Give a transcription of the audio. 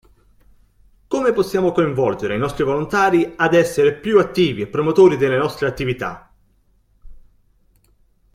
Come possiamo coinvolgere i nostri volontari ad essere più attivi e promotori delle nostre attività?